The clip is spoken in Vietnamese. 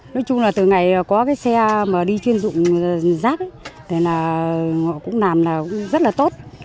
nói chung là từ ngày có cái xe mà đi chuyên dụng rác họ cũng làm rất là tốt